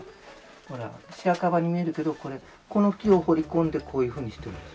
ほら白樺に見えるけどこれこの木を彫り込んでこういうふうにしてるんです。